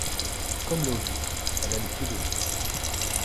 Comme le Hobbit, elle a les pieds velus.